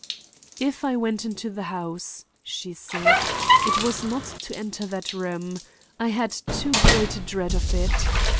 "If I went into the house," she said, "it was not to enter that room. I had too great a dread of it.